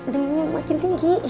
demamnya makin tinggi